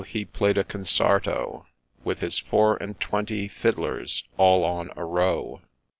he play'd a Consarto, With his four and twenty fiddlers all on a row